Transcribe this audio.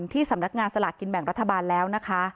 ที่สำนักงานสลากกินแบ่งรัฐบาลแล้วนะคะ